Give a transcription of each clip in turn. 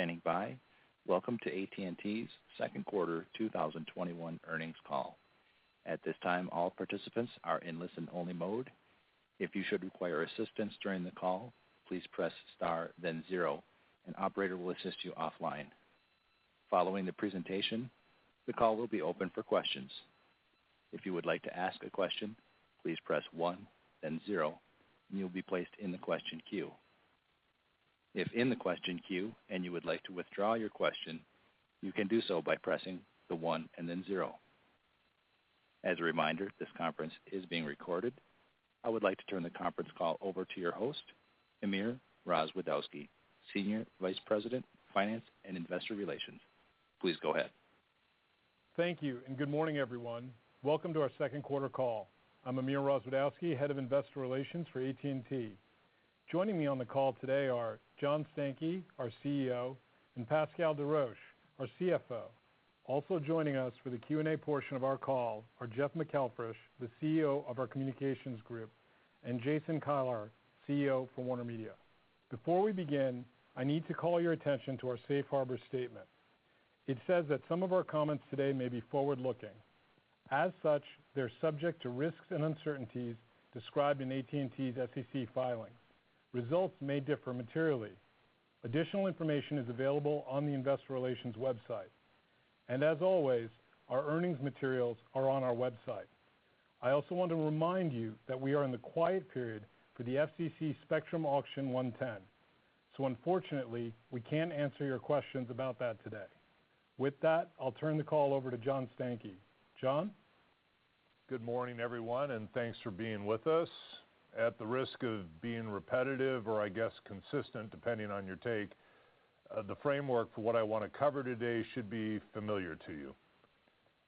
Thank you for standing by. Welcome to AT&T's Second Quarter 2021 Earnings Call. At this time, all participants are in listen-only mode. If you should require assistance during the call, please press star then zero, an operator will assist you offline. Following the presentation, the call will be open for questions. If you would like to ask a question, please press one then zero, and you'll be placed in the question queue. If in the question queue and you would like to withdraw your question, you can do so by pressing the one and then zero. As a reminder, this conference is being recorded. I would like to turn the conference call over to your host, Amir Rozwadowski, Senior Vice President, Finance and Investor Relations. Please go ahead. Thank you. Good morning, everyone. Welcome to our second quarter call. I'm Amir Rozwadowski, head of Investor Relations for AT&T. Joining me on the call today are John Stankey, our CEO, and Pascal Desroches, our CFO. Also joining us for the Q&A portion of our call are Jeff McElfresh, the CEO of our AT&T Communications, and Jason Kilar, CEO for WarnerMedia. Before we begin, I need to call your attention to our safe harbor statement. It says that some of our comments today may be forward-looking. As such, they're subject to risks and uncertainties described in AT&T's SEC filings. Results may differ materially. Additional information is available on the investor relations website. As always, our earnings materials are on our website. I also want to remind you that we are in the quiet period for the FCC Spectrum Auction 110. Unfortunately, we can't answer your questions about that today. With that, I'll turn the call over to John Stankey. John? Good morning, everyone, and thanks for being with us. At the risk of being repetitive or I guess consistent, depending on your take, the framework for what I want to cover today should be familiar to you.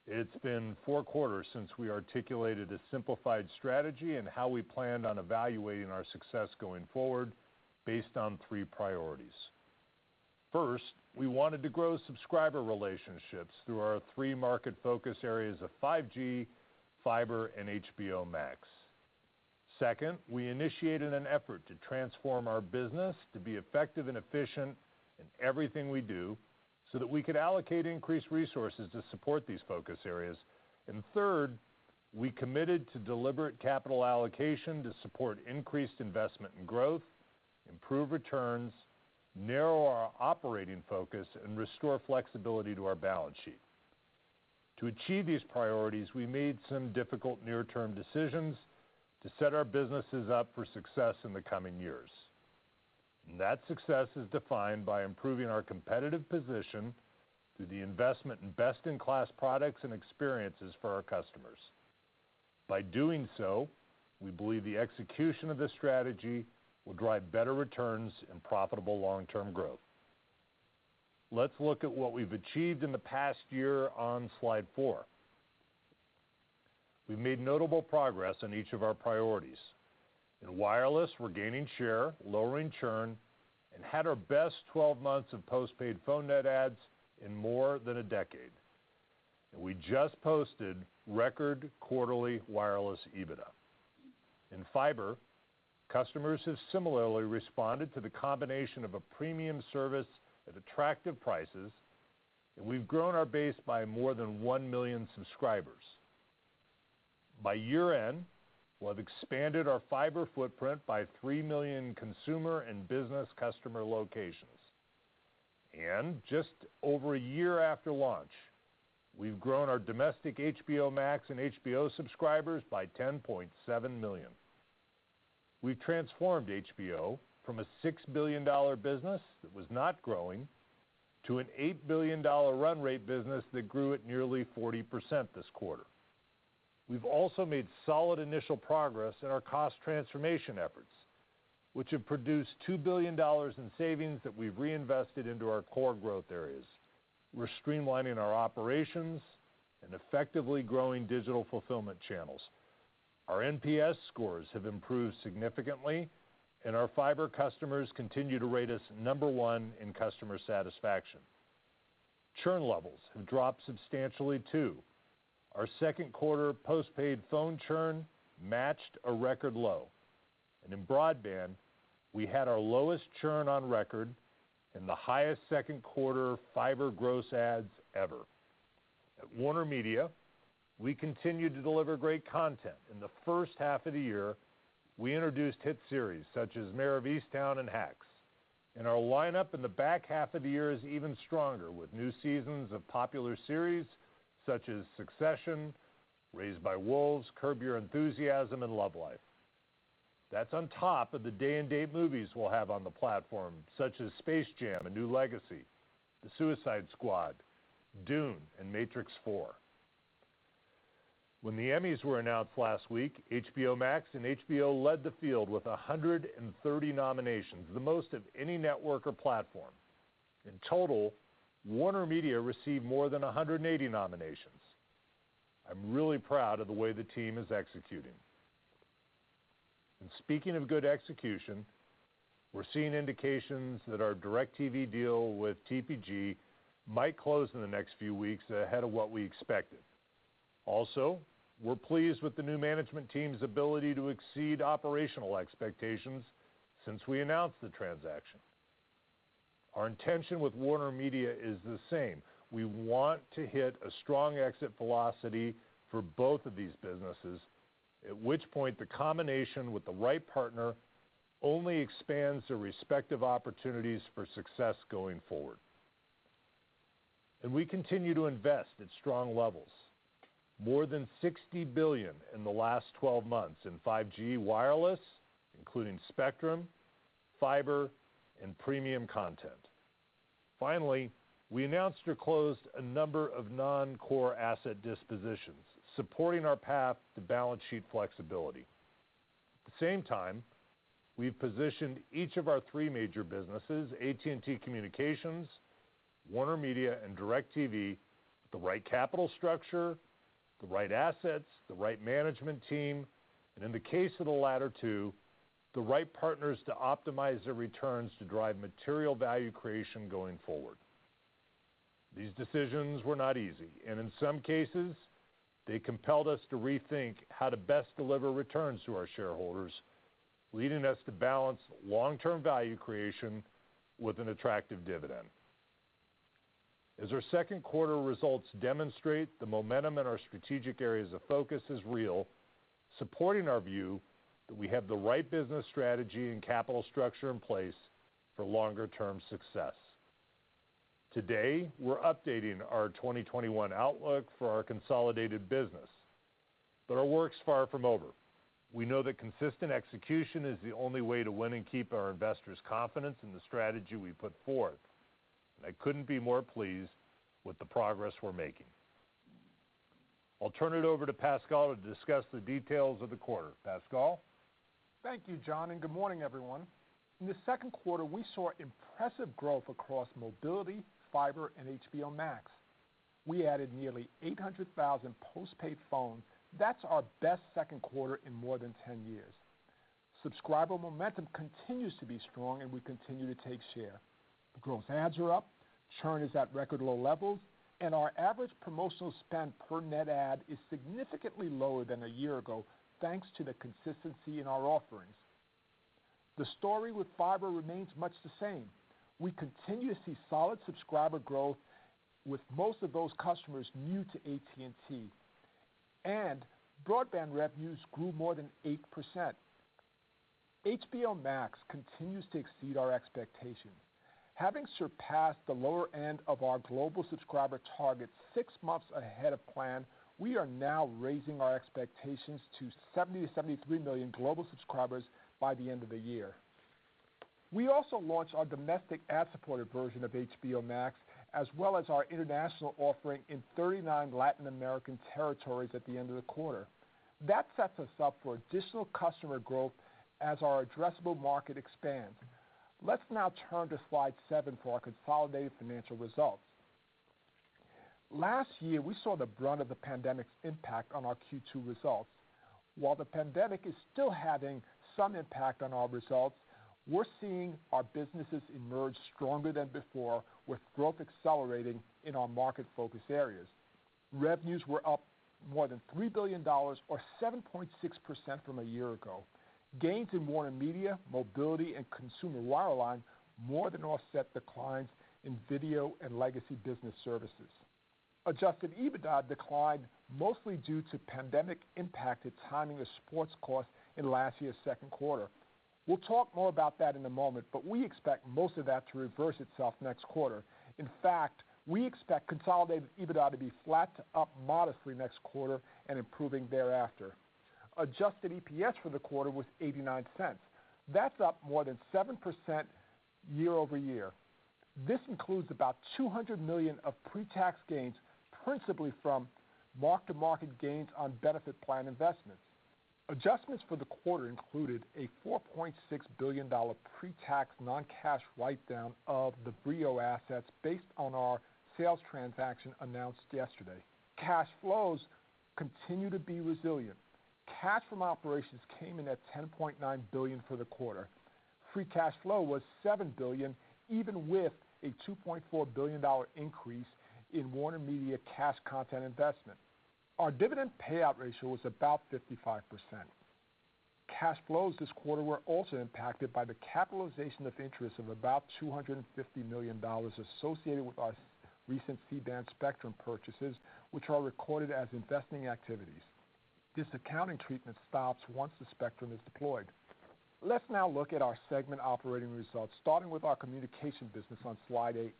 It's been four quarters since we articulated a simplified strategy and how we planned on evaluating our success going forward based on three priorities. First, we wanted to grow subscriber relationships through our three market focus areas of 5G, fiber, and HBO Max. Second, we initiated an effort to transform our business to be effective and efficient in everything we do so that we could allocate increased resources to support these focus areas. Third, we committed to deliberate capital allocation to support increased investment and growth, improve returns, narrow our operating focus, and restore flexibility to our balance sheet. To achieve these priorities, we made some difficult near-term decisions to set our businesses up for success in the coming years. That success is defined by improving our competitive position through the investment in best-in-class products and experiences for our customers. By doing so, we believe the execution of this strategy will drive better returns and profitable long-term growth. Let's look at what we've achieved in the past year on slide four. We've made notable progress on each of our priorities. In wireless, we're gaining share, lowering churn, and had our best 12 months of postpaid phone net adds in more than a decade. We just posted record quarterly wireless EBITDA. In fiber, customers have similarly responded to the combination of a premium service at attractive prices, and we've grown our base by more than 1 million subscribers. By year-end, we'll have expanded our fiber footprint by 3 million consumer and business customer locations. Just over a year after launch, we've grown our domestic HBO Max and HBO subscribers by 10.7 million. We've transformed HBO from a $6 billion business that was not growing to an $8 billion run rate business that grew at nearly 40% this quarter. We've also made solid initial progress in our cost transformation efforts, which have produced $2 billion in savings that we've reinvested into our core growth areas. We're streamlining our operations and effectively growing digital fulfillment channels. Our NPS scores have improved significantly, and our fiber customers continue to rate us number one in customer satisfaction. Churn levels have dropped substantially, too. Our second quarter postpaid phone churn matched a record low. In broadband, we had our lowest churn on record and the highest second quarter fiber gross adds ever. At WarnerMedia, we continued to deliver great content. In the first half of the year, we introduced hit series such as Mare of Easttown and Hacks. Our lineup in the back half of the year is even stronger, with new seasons of popular series such as Succession, Raised by Wolves, Curb Your Enthusiasm, and Love Life. That's on top of the day-and-date movies we'll have on the platform, such as Space Jam: A New Legacy, The Suicide Squad, Dune, and Matrix 4. When the Emmys were announced last week, HBO Max and HBO led the field with 130 nominations, the most of any network or platform. In total, WarnerMedia received more than 180 nominations. I'm really proud of the way the team is executing. Speaking of good execution, we're seeing indications that our DIRECTV deal with TPG might close in the next few weeks ahead of what we expected. We're pleased with the new management team's ability to exceed operational expectations since we announced the transaction. Our intention with WarnerMedia is the same. We want to hit a strong exit velocity for both of these businesses, at which point the combination with the right partner only expands the respective opportunities for success going forward. We continue to invest at strong levels. More than $60 billion in the last 12 months in 5G wireless, including spectrum, fiber, and premium content. We announced or closed a number of non-core asset dispositions, supporting our path to balance sheet flexibility. At the same time, we've positioned each of our three major businesses, AT&T Communications, WarnerMedia, and DIRECTV, with the right capital structure, the right assets, the right management team, and in the case of the latter two, the right partners to optimize their returns to drive material value creation going forward. These decisions were not easy, and in some cases, they compelled us to rethink how to best deliver returns to our shareholders, leading us to balance long-term value creation with an attractive dividend. As our second quarter results demonstrate, the momentum in our strategic areas of focus is real, supporting our view that we have the right business strategy and capital structure in place for longer-term success. Today, we're updating our 2021 outlook for our consolidated business, but our work's far from over. We know that consistent execution is the only way to win and keep our investors' confidence in the strategy we put forth, and I couldn't be more pleased with the progress we're making. I'll turn it over to Pascal to discuss the details of the quarter. Pascal? Thank you, John, and good morning, everyone. In the second quarter, we saw impressive growth across mobility, fiber, and HBO Max. We added nearly 800,000 postpaid phones. That's our best second quarter in more than 10 years. Subscriber momentum continues to be strong, and we continue to take share. Gross adds are up, churn is at record low levels, and our average promotional spend per net add is significantly lower than a year ago, thanks to the consistency in our offerings. The story with fiber remains much the same. We continue to see solid subscriber growth, with most of those customers new to AT&T, and broadband revenues grew more than 8%. HBO Max continues to exceed our expectations. Having surpassed the lower end of our global subscriber target six months ahead of plan, we are now raising our expectations to 70 million-73 million global subscribers by the end of the year. We also launched our domestic ad-supported version of HBO Max, as well as our international offering in 39 Latin American territories at the end of the quarter. That sets us up for additional customer growth as our addressable market expands. Let's now turn to slide seven for our consolidated financial results. Last year, we saw the brunt of the pandemic's impact on our Q2 results. While the pandemic is still having some impact on our results, we're seeing our businesses emerge stronger than before, with growth accelerating in our market focus areas. Revenues were up more than $3 billion, or 7.6% from a year ago. Gains in WarnerMedia, mobility, and consumer wireline more than offset declines in video and legacy business services. Adjusted EBITDA declined mostly due to pandemic-impacted timing of sports costs in last year's second quarter. We'll talk more about that in a moment. We expect most of that to reverse itself next quarter. In fact, we expect consolidated EBITDA to be flat to up modestly next quarter and improving thereafter. Adjusted EPS for the quarter was $0.89. That's up more than 7% year-over-year. This includes about $200 million of pre-tax gains, principally from mark-to-market gains on benefit plan investments. Adjustments for the quarter included a $4.6 billion pre-tax non-cash write-down of the Vrio assets based on our sales transaction announced yesterday. Cash flows continue to be resilient. Cash from operations came in at $10.9 billion for the quarter. Free cash flow was $7 billion, even with a $2.4 billion increase in WarnerMedia cash content investment. Our dividend payout ratio was about 55%. Cash flows this quarter were also impacted by the capitalization of interest of about $250 million associated with our recent C-band spectrum purchases, which are recorded as investing activities. This accounting treatment stops once the spectrum is deployed. Let's now look at our segment operating results, starting with our Communications business on slide eight.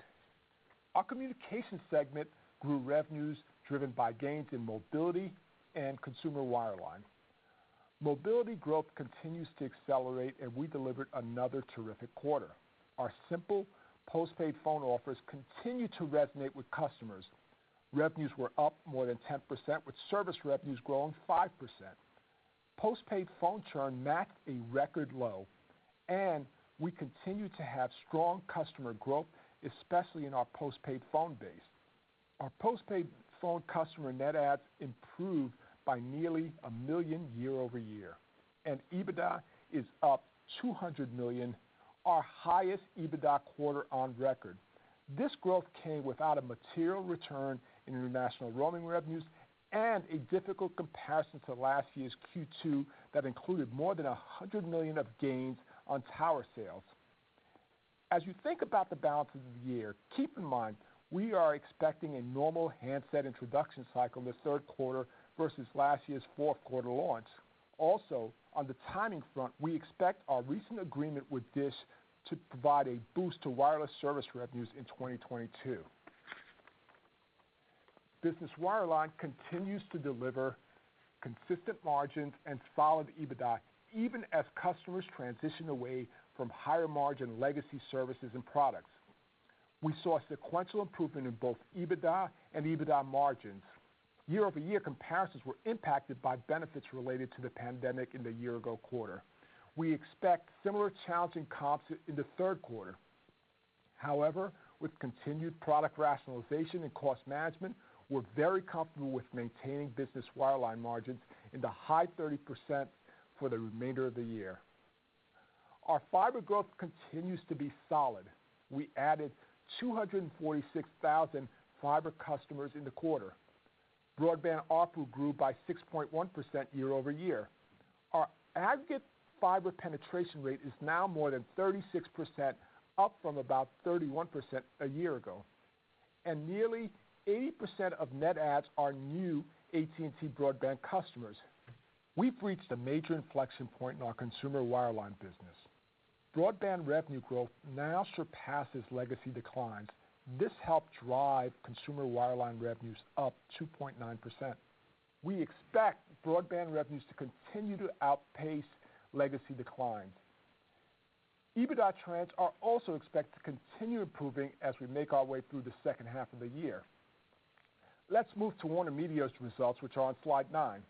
Our Communications segment grew revenues driven by gains in mobility and consumer wireline. Mobility growth continues to accelerate, and we delivered another terrific quarter. Our simple postpaid phone offers continue to resonate with customers. Revenues were up more than 10%, with service revenues growing 5%. Postpaid phone churn matched a record low, and we continue to have strong customer growth, especially in our postpaid phone base. Our postpaid phone customer net adds improved by nearly 1 million year-over-year. EBITDA is up $200 million, our highest EBITDA quarter on record. This growth came without a material return in international roaming revenues and a difficult comparison to last year's Q2 that included more than $100 million of gains on tower sales. As you think about the balance of the year, keep in mind we are expecting a normal handset introduction cycle in the third quarter versus last year's fourth quarter launch. On the timing front, we expect our recent agreement with DISH to provide a boost to wireless service revenues in 2022. Business Wireline continues to deliver consistent margins and solid EBITDA, even as customers transition away from higher-margin legacy services and products. We saw sequential improvement in both EBITDA and EBITDA margins. Year-over-year comparisons were impacted by benefits related to the pandemic in the year-ago quarter. We expect similar challenging comps in the third quarter. However, with continued product rationalization and cost management, we're very comfortable with maintaining Business Wireline margins in the high 30% for the remainder of the year. Our fiber growth continues to be solid. We added 246,000 fiber customers in the quarter. Broadband ARPU grew by 6.1% year-over-year. Our aggregate fiber penetration rate is now more than 36%, up from about 31% a year ago, and nearly 80% of net adds are new AT&T Broadband customers. We've reached a major inflection point in our Consumer Wireline business. Broadband revenue growth now surpasses legacy declines. This helped drive Consumer Wireline revenues up 2.9%. We expect broadband revenues to continue to outpace legacy declines. EBITDA trends are also expected to continue improving as we make our way through the second half of the year. Let's move to WarnerMedia's results, which are on slide nine.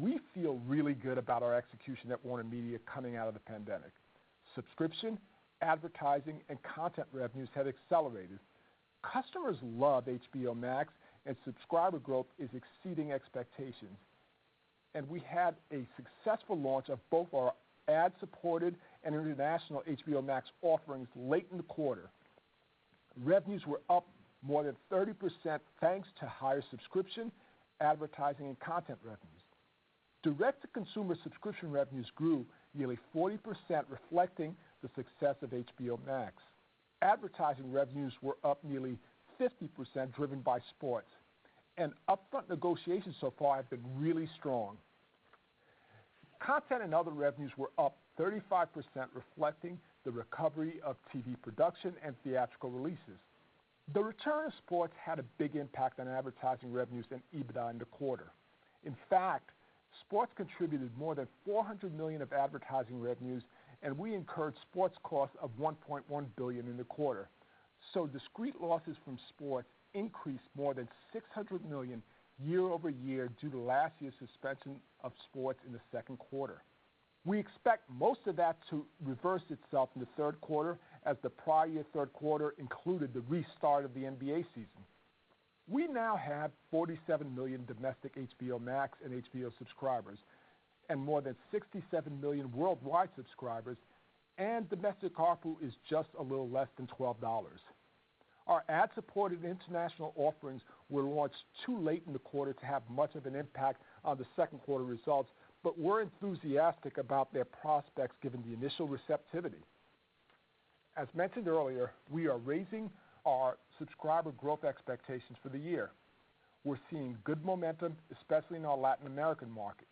We feel really good about our execution at WarnerMedia coming out of the pandemic. Subscription, advertising, and content revenues have accelerated. Customers love HBO Max, and subscriber growth is exceeding expectations. We had a successful launch of both our ad-supported and international HBO Max offerings late in the quarter. Revenues were up more than 30% thanks to higher subscription, advertising, and content revenues. Direct-to-consumer subscription revenues grew nearly 40%, reflecting the success of HBO Max. Advertising revenues were up nearly 50%, driven by sports. Upfront negotiations so far have been really strong. Content and other revenues were up 35%, reflecting the recovery of TV production and theatrical releases. The return of sports had a big impact on advertising revenues and EBITDA in the quarter. Sports contributed more than $400 million of advertising revenues, and we incurred sports costs of $1.1 billion in the quarter. Discrete losses from sports increased more than $600 million year-over-year due to last year's suspension of sports in the second quarter. We expect most of that to reverse itself in the third quarter as the prior year third quarter included the restart of the NBA season. We now have 47 million domestic HBO Max and HBO subscribers and more than 67 million worldwide subscribers, domestic ARPU is just a little less than $12. Our ad-supported international offerings were launched too late in the quarter to have much of an impact on the second quarter results, we're enthusiastic about their prospects given the initial receptivity. As mentioned earlier, we are raising our subscriber growth expectations for the year. We're seeing good momentum, especially in our Latin American markets.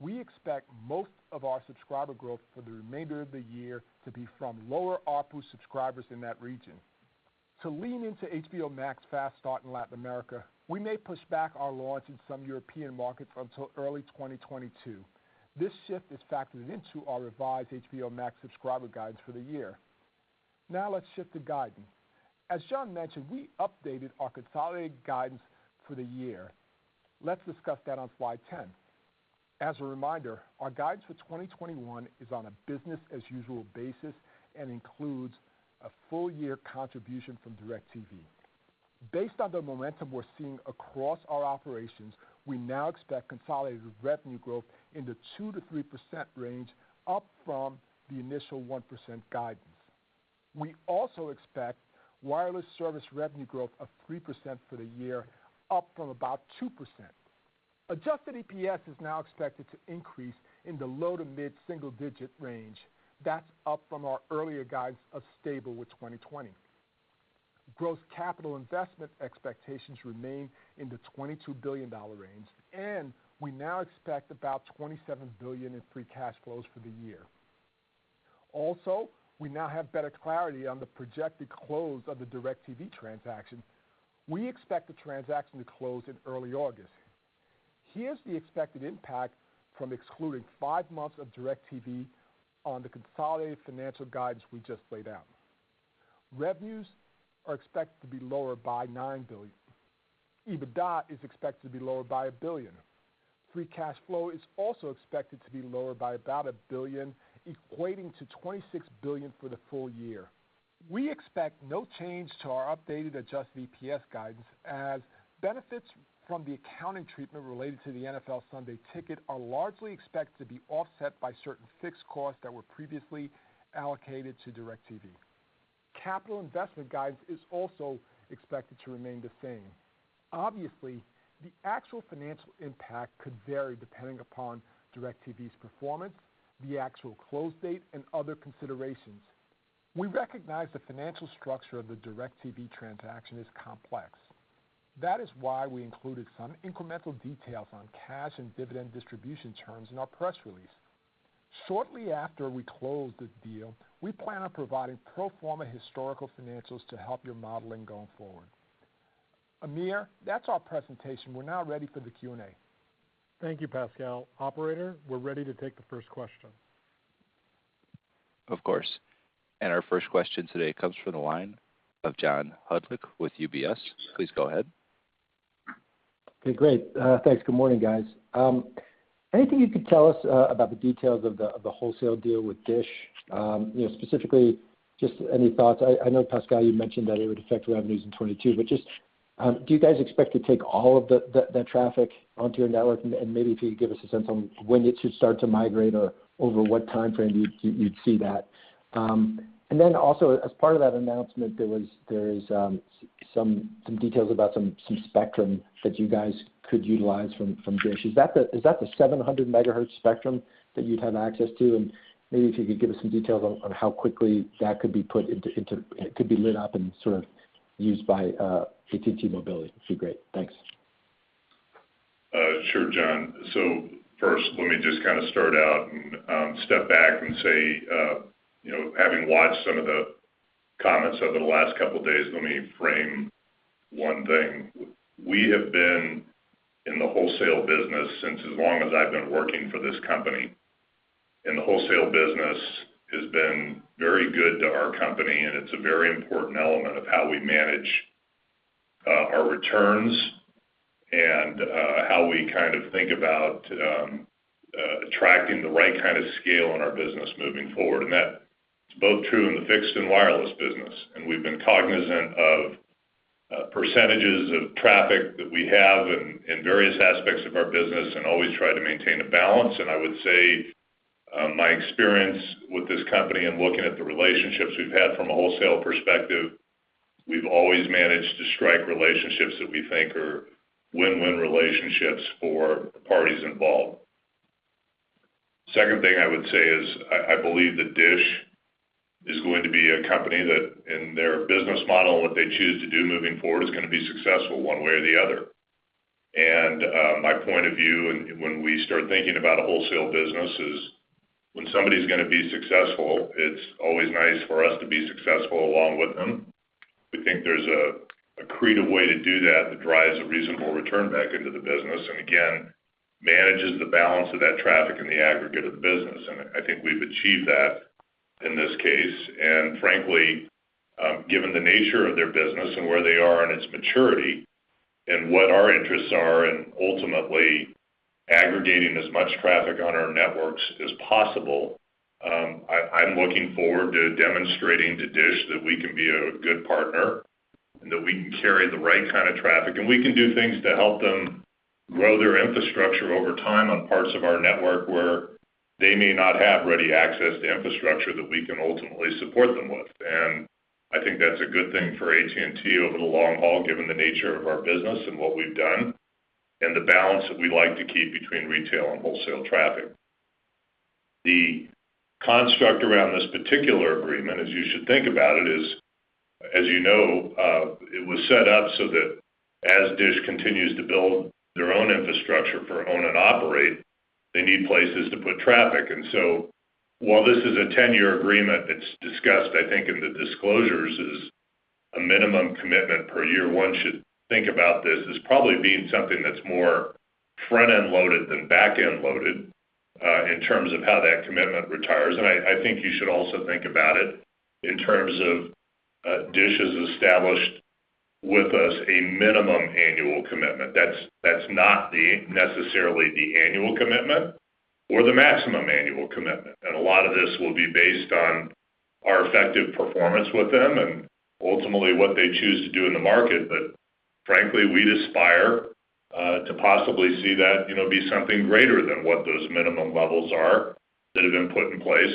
We expect most of our subscriber growth for the remainder of the year to be from lower ARPU subscribers in that region. To lean into HBO Max's fast start in Latin America, we may push back our launch in some European markets until early 2022. This shift is factored into our revised HBO Max subscriber guidance for the year. Now let's shift to guidance. As John mentioned, we updated our consolidated guidance for the year. Let's discuss that on slide 10. As a reminder, our guidance for 2021 is on a business-as-usual basis and includes a full-year contribution from DIRECTV. Based on the momentum we're seeing across our operations, we now expect consolidated revenue growth in the 2%-3% range, up from the initial 1% guidance. We also expect wireless service revenue growth of 3% for the year, up from about 2%. Adjusted EPS is now expected to increase in the low to mid-single-digit range. That's up from our earlier guidance of stable with 2020. Gross capital investment expectations remain in the $22 billion range, and we now expect about $27 billion in free cash flows for the year. We now have better clarity on the projected close of the DIRECTV transaction. We expect the transaction to close in early August. Here's the expected impact from excluding five months of DIRECTV on the consolidated financial guidance we just laid out. Revenues are expected to be lower by $9 billion. EBITDA is expected to be lower by $1 billion. Free cash flow is also expected to be lower by about $1 billion, equating to $26 billion for the full year. We expect no change to our updated adjusted EPS guidance as benefits from the accounting treatment related to the NFL Sunday Ticket are largely expected to be offset by certain fixed costs that were previously allocated to DIRECTV. Capital investment guidance is also expected to remain the same. Obviously, the actual financial impact could vary depending upon DIRECTV's performance, the actual close date, and other considerations. We recognize the financial structure of the DIRECTV transaction is complex. That is why we included some incremental details on cash and dividend distribution terms in our press release. Shortly after we close the deal, we plan on providing pro forma historical financials to help your modeling going forward. Amir, that's our presentation. We're now ready for the Q&A. Thank you, Pascal. Operator, we're ready to take the first question. Of course. Our first question today comes from the line of John Hodulik with UBS. Please go ahead. Okay, great. Thanks. Good morning, guys. Anything you could tell us about the details of the wholesale deal with DISH? Specifically, just any thoughts. I know, Pascal, you mentioned that it would affect revenues in 2022, but just do you guys expect to take all of that traffic onto your network? Maybe if you could give us a sense on when it should start to migrate or over what timeframe you'd see that. Also, as part of that announcement, there is some details about some spectrum that you guys could utilize from DISH. Is that the 700 MHz spectrum that you'd have access to? Maybe if you could give us some details on how quickly that could be lit up and sort of used by AT&T Mobility would be great. Thanks. Sure, John. First, let me just kind of start out and step back and say, having watched some of the comments over the last couple of days, let me frame one thing. We have been in the wholesale business since as long as I've been working for this company. The wholesale business has been very good to our company, and it's a very important element of how we manage our returns and how we kind of think about attracting the right kind of scale in our business moving forward. That is both true in the fixed and wireless business. We've been cognizant of percentages of traffic that we have in various aspects of our business and always try to maintain a balance. I would say my experience with this company and looking at the relationships we've had from a wholesale perspective, we've always managed to strike relationships that we think are win-win relationships for the parties involved. Second thing I would say is I believe that DISH is going to be a company that, in their business model and what they choose to do moving forward, is going to be successful one way or the other. My point of view, and when we start thinking about a wholesale business, is when somebody's going to be successful, it's always nice for us to be successful along with them. We think there's a creative way to do that that drives a reasonable return back into the business and, again, manages the balance of that traffic in the aggregate of the business, and I think we've achieved that in this case. Frankly, given the nature of their business and where they are in its maturity and what our interests are in ultimately aggregating as much traffic on our networks as possible, I'm looking forward to demonstrating to DISH that we can be a good partner and that we can carry the right kind of traffic, and we can do things to help them grow their infrastructure over time on parts of our network where they may not have ready access to infrastructure that we can ultimately support them with. I think that's a good thing for AT&T over the long haul, given the nature of our business and what we've done and the balance that we like to keep between retail and wholesale traffic. The construct around this particular agreement, as you should think about it is, as you know it was set up so that as DISH continues to build their own infrastructure for own and operate, they need places to put traffic. While this is a 10-year agreement that's discussed, I think in the disclosures, is a minimum commitment per year, one should think about this as probably being something that's more front-end loaded than back-end loaded in terms of how that commitment retires. I think you should also think about it in terms of DISH has established with us a minimum annual commitment. That's not necessarily the annual commitment or the maximum annual commitment. A lot of this will be based on our effective performance with them and ultimately what they choose to do in the market. Frankly, we'd aspire to possibly see that be something greater than what those minimum levels are that have been put in place.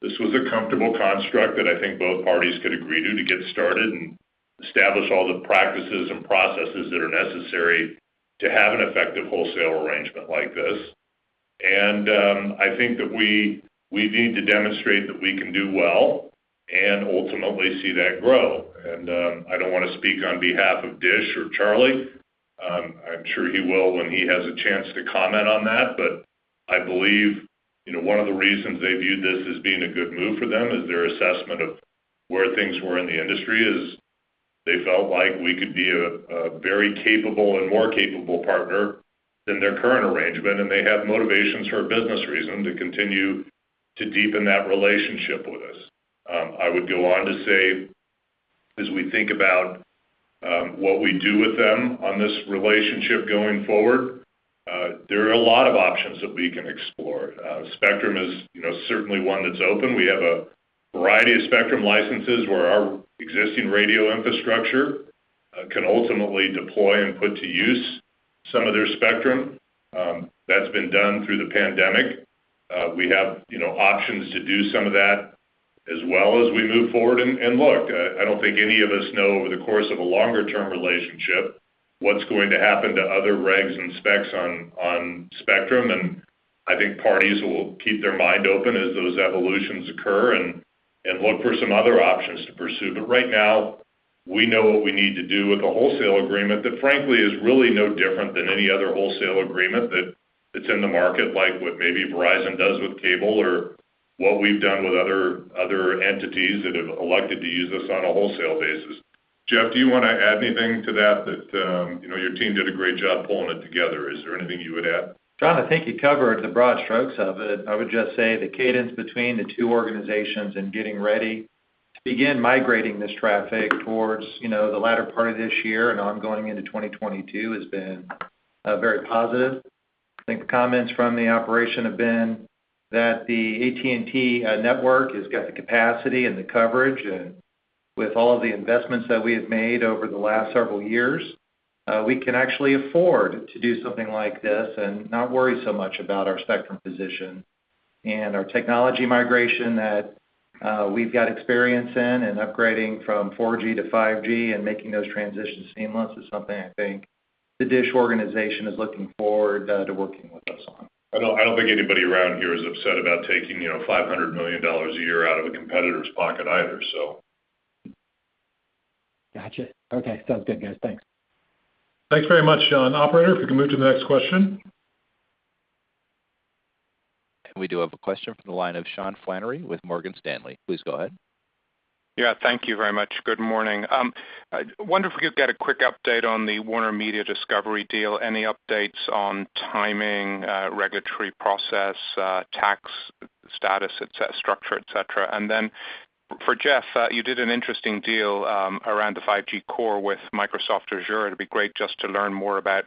This was a comfortable construct that I think both parties could agree to get started and establish all the practices and processes that are necessary to have an effective wholesale arrangement like this. I think that we need to demonstrate that we can do well and ultimately see that grow. I don't want to speak on behalf of DISH or Charlie. I'm sure he will when he has a chance to comment on that. I believe one of the reasons they viewed this as being a good move for them is their assessment of where things were in the industry is they felt like we could be a very capable and more capable partner than their current arrangement, and they have motivations for a business reason to continue to deepen that relationship with us. I would go on to say, as we think about what we do with them on this relationship going forward, there are a lot of options that we can explore. Spectrum is certainly one that's open. We have a variety of spectrum licenses where our existing radio infrastructure can ultimately deploy and put to use some of their spectrum. That's been done through the pandemic. We have options to do some of that as well as we move forward. Look, I don't think any of us know over the course of a longer-term relationship what's going to happen to other regs and specs on spectrum, and I think parties will keep their mind open as those evolutions occur and look for some other options to pursue. Right now, we know what we need to do with the wholesale agreement. That frankly, is really no different than any other wholesale agreement that's in the market, like what maybe Verizon does with cable or what we've done with other entities that have elected to use us on a wholesale basis. Jeff, do you want to add anything to that? Your team did a great job pulling it together. Is there anything you would add? John, I think you covered the broad strokes of it. I would just say the cadence between the two organizations and getting ready to begin migrating this traffic towards the latter part of this year and ongoing into 2022 has been very positive. I think the comments from the operation have been that the AT&T network has got the capacity and the coverage, and with all of the investments that we have made over the last several years, we can actually afford to do something like this and not worry so much about our spectrum position. Our technology migration that we've got experience in and upgrading from 4G to 5G and making those transitions seamless is something I think the DISH organization is looking forward to working with us on. I don't think anybody around here is upset about taking $500 million a year out of a competitor's pocket either. Got you. Okay. Sounds good, guys. Thanks. Thanks very much, John. Operator, if we can move to the next question. We do have a question from the line of Simon Flannery with Morgan Stanley. Please go ahead. Yeah. Thank you very much. Good morning. I wonder if we could get a quick update on the WarnerMedia Discovery deal. Any updates on timing, regulatory process, tax status structure, et cetera? For Jeff, you did an interesting deal around the 5G core with Microsoft Azure. It'd be great just to learn more about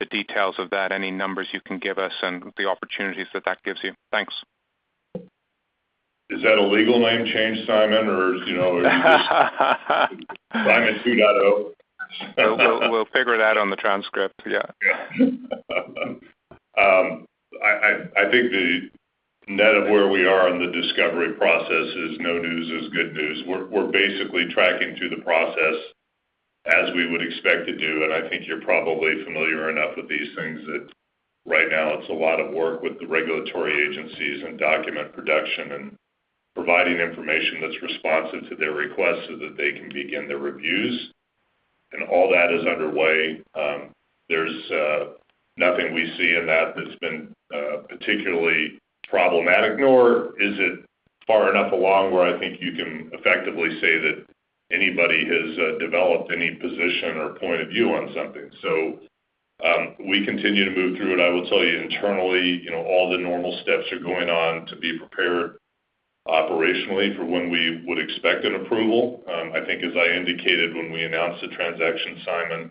the details of that, any numbers you can give us and the opportunities that that gives you. Thanks. Is that a legal name change, Simon, or- Simon 2.0? We'll figure it out on the transcript, yeah. I think the net of where we are in the discovery process is no news is good news. We're basically tracking through the process as we would expect to do, and I think you're probably familiar enough with these things that right now it's a lot of work with the regulatory agencies and document production and providing information that's responsive to their requests so that they can begin their reviews. All that is underway. There's nothing we see in that that's been particularly problematic, nor is it far enough along where I think you can effectively say that anybody has developed any position or point of view on something. We continue to move through it. I will tell you internally, all the normal steps are going on to be prepared operationally for when we would expect an approval. I think as I indicated when we announced the transaction, Simon,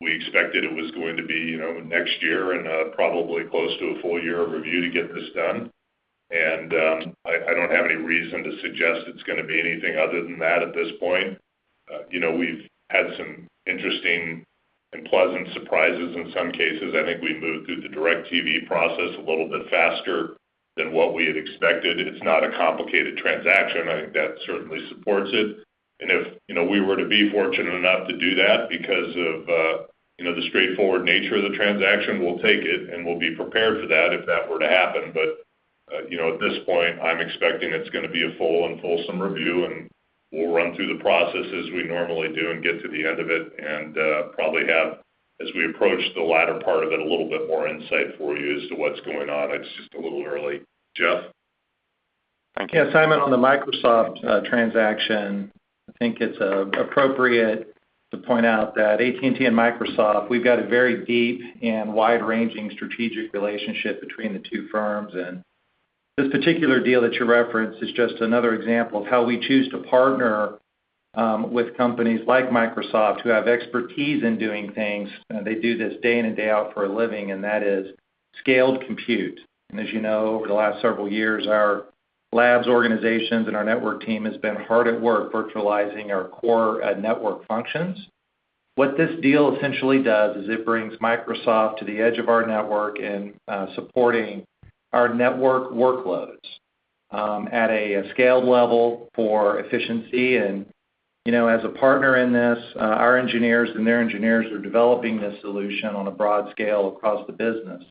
we expected it was going to be next year and probably close to a full year of review to get this done, and I don't have any reason to suggest it's going to be anything other than that at this point. We've had some interesting and pleasant surprises in some cases. I think we moved through the DIRECTV process a little bit faster than what we had expected. It's not a complicated transaction. I think that certainly supports it. If we were to be fortunate enough to do that because of the straightforward nature of the transaction, we'll take it, and we'll be prepared for that if that were to happen. At this point, I'm expecting it's going to be a full and fulsome review, and we'll run through the processes we normally do and get to the end of it and probably have, as we approach the latter part of it, a little bit more insight for you as to what's going on. It's just a little early. Jeff? Simon, on the Microsoft transaction, I think it's appropriate to point out that AT&T and Microsoft, we've got a very deep and wide-ranging strategic relationship between the two firms, and this particular deal that you referenced is just another example of how we choose to partner with companies like Microsoft who have expertise in doing things. They do this day in and day out for a living, and that is scaled compute. As you know, over the last several years, our labs organizations and our network team has been hard at work virtualizing our core network functions. What this deal essentially does is it brings Microsoft to the edge of our network and supporting our network workloads at a scaled level for efficiency. As a partner in this, our engineers and their engineers are developing this solution on a broad scale across the business,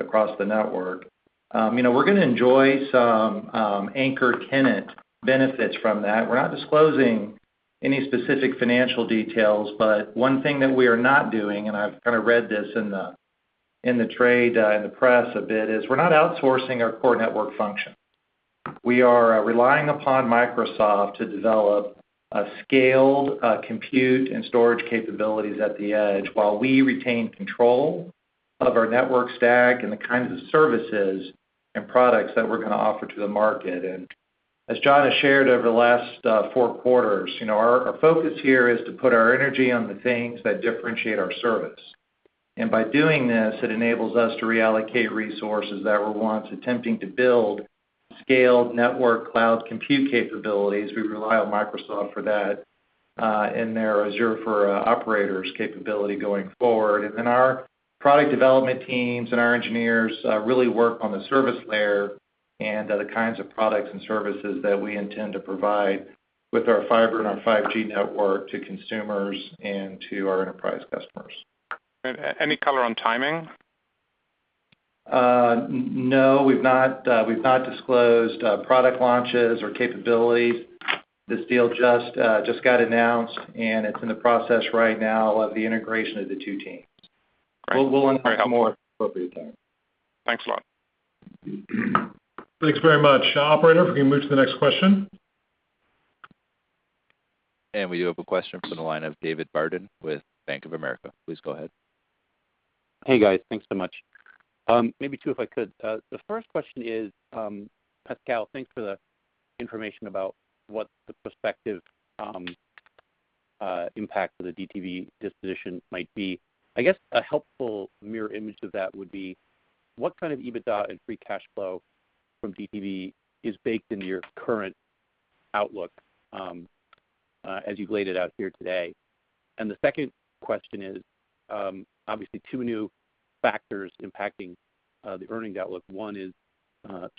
across the network. We're going to enjoy some anchor tenant benefits from that. We're not disclosing any specific financial details, but one thing that we are not doing, and I've read this in the trade and the press a bit, is we're not outsourcing our core network function. We are relying upon Microsoft to develop a scaled compute and storage capabilities at the edge while we retain control of our network stack and the kinds of services and products that we're going to offer to the market. As John has shared over the last four quarters, our focus here is to put our energy on the things that differentiate our service. By doing this, it enables us to reallocate resources that were once attempting to build scaled network cloud compute capabilities. We rely on Microsoft for that and their Azure for Operators capability going forward. Our product development teams and our engineers really work on the service layer and the kinds of products and services that we intend to provide with our fiber and our 5G network to consumers and to our enterprise customers. Any color on timing? No. We've not disclosed product launches or capabilities. This deal just got announced, and it's in the process right now of the integration of the two teams. Great. We'll announce more appropriately in time. Thanks a lot. Thanks very much. Operator, if we can move to the next question. We do have a question from the line of David Barden with Bank of America. Please go ahead. Hey, guys. Thanks so much. Maybe two, if I could. The first question is, Pascal, thanks for the information about what the prospective impact for the DTV disposition might be. I guess a helpful mirror image of that would be, what kind of EBITDA and free cash flow from DTV is baked into your current outlook as you've laid it out here today? The second question is, obviously two new factors impacting the earnings outlook. One is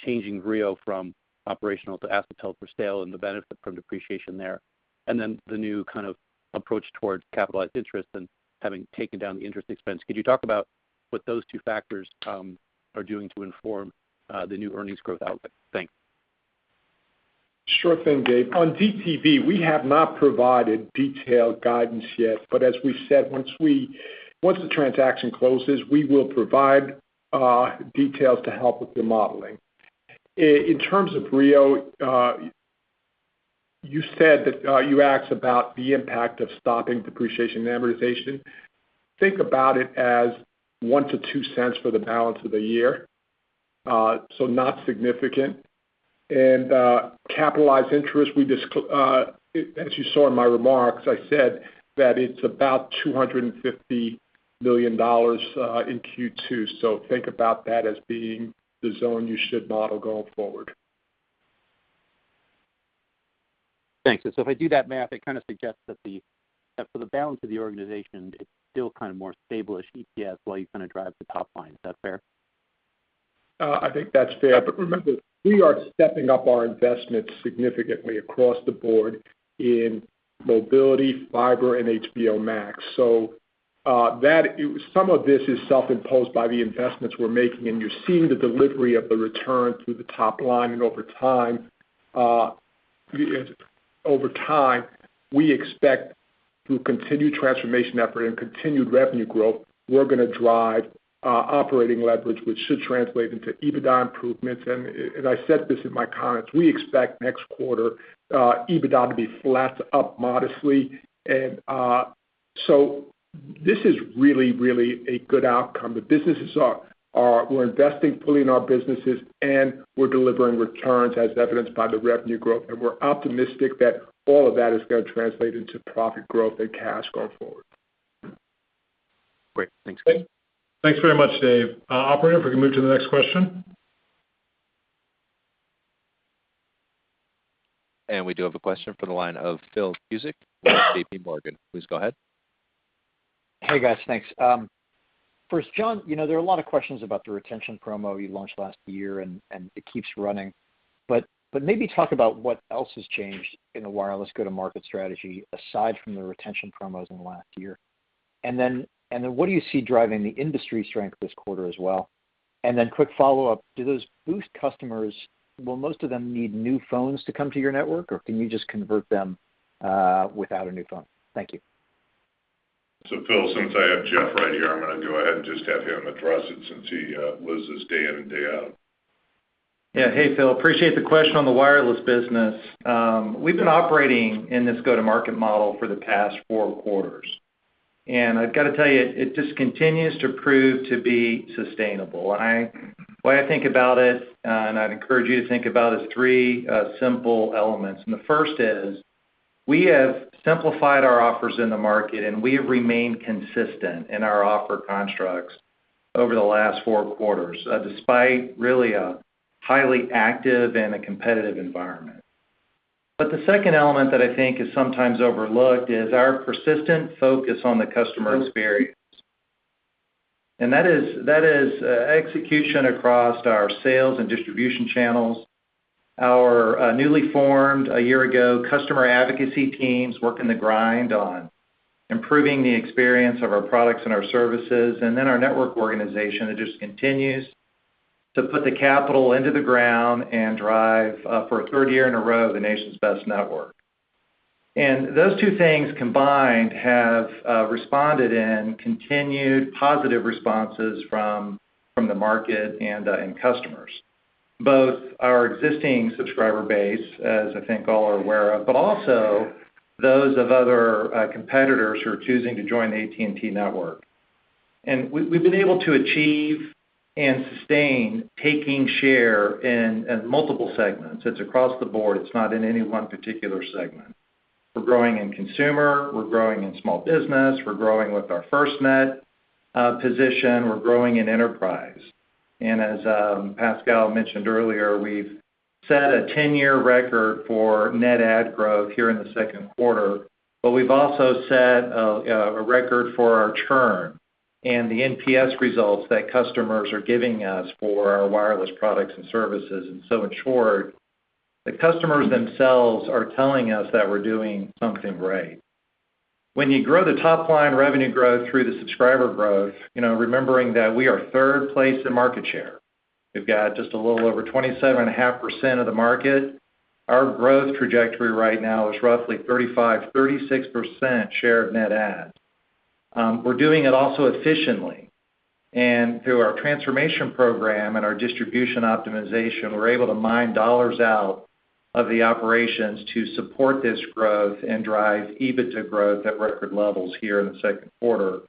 changing Vrio from operational to asset held for sale and the benefit from depreciation there, and then the new kind of approach towards capitalized interest and having taken down the interest expense. Could you talk about what those two factors are doing to inform the new earnings growth outlook? Thanks. Sure thing, Dave. On DTV, we have not provided detailed guidance yet, but as we've said, once the transaction closes, we will provide details to help with the modeling. In terms of Vrio, you asked about the impact of stopping depreciation and amortization. Think about it as $0.01-$0.02 for the balance of the year, so not significant. Capitalized interest, as you saw in my remarks, I said that it's about $250 million in Q2. Think about that as being the zone you should model going forward. Thanks. If I do that math, it kind of suggests that for the balance of the organization, it's still kind of more stable-ish EPS while you kind of drive the top line. Is that fair? I think that's fair. Remember, we are stepping up our investments significantly across the board in Mobility, fiber, and HBO Max. Some of this is self-imposed by the investments we're making, and you're seeing the delivery of the return through the top line. Over time, we expect through continued transformation effort and continued revenue growth, we're going to drive operating leverage, which should translate into EBITDA improvements. I said this in my comments, we expect next quarter EBITDA to be flat to up modestly. This is really a good outcome. We're investing fully in our businesses, and we're delivering returns as evidenced by the revenue growth. We're optimistic that all of that is going to translate into profit growth and cash going forward. Great. Thanks. Okay. Thanks very much, Dave. Operator, if we can move to the next question. We do have a question from the line of Phil Cusick with J.P. Morgan. Please go ahead. Hey, guys. Thanks. First, John, there are a lot of questions about the retention promo you launched last year, and it keeps running. Maybe talk about what else has changed in the wireless go-to-market strategy, aside from the retention promos in the last year. What do you see driving the industry strength this quarter as well? Quick follow-up, do those Boost customers, will most of them need new phones to come to your network, or can you just convert them without a new phone? Thank you. Phil, since I have Jeff right here, I'm going to go ahead and just have him address it since he lives this day in and day out. Yeah. Hey, Phil, appreciate the question on the wireless business. We've been operating in this go-to-market model for the past four quarters, and I've got to tell you, it just continues to prove to be sustainable. The way I think about it, and I'd encourage you to think about it, is three simple elements. The first is we have simplified our offers in the market, and we have remained consistent in our offer constructs over the last four quarters, despite really a highly active and a competitive environment. The second element that I think is sometimes overlooked is our persistent focus on the customer experience. That is execution across our sales and distribution channels. Our newly formed, a year ago, customer advocacy teams working the grind on improving the experience of our products and our services. Our network organization that just continues to put the capital into the ground and drive, for a third year in a row, the nation's best network. Those two things combined have responded in continued positive responses from the market and in customers, both our existing subscriber base, as I think all are aware of, but also those of other competitors who are choosing to join the AT&T network. We've been able to achieve and sustain taking share in multiple segments. It's across the board. It's not in any one particular segment. We're growing in consumer, we're growing in small business, we're growing with our FirstNet position, we're growing in enterprise. As Pascal mentioned earlier, we've set a 10-year record for net add growth here in the second quarter, we've also set a record for our churn and the NPS results that customers are giving us for our wireless products and services. In short, the customers themselves are telling us that we're doing something right. When you grow the top-line revenue growth through the subscriber growth, remembering that we are third place in market share. We've got just a little over 27.5% of the market. Our growth trajectory right now is roughly 35%-36% share of net add. We're doing it also efficiently. Through our transformation program and our distribution optimization, we're able to mine dollars out of the operations to support this growth and drive EBITDA growth at record levels here in the second quarter,